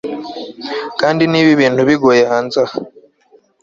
kandi niba ibintu bigoye hanze aha